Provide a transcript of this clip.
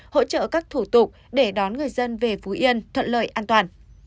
hỗ trợ các thủ tục để đón người dân về phú yên thuận lợi an toàn